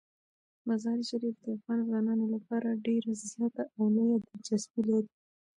مزارشریف د افغان ځوانانو لپاره ډیره زیاته او لویه دلچسپي لري.